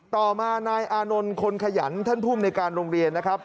ต่อมานายอานนท์คนขยันท่านภูมิในการโรงเรียนนะครับ